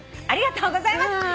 ありがとうございます。